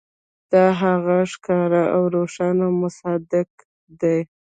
دا د هغه ښکاره او روښانه مصداق دی.